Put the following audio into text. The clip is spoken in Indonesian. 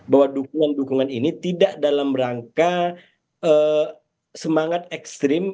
bahwa dukungan dukungan ini tidak dalam rangka semangat ekstrim